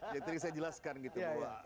yang tadi saya jelaskan gitu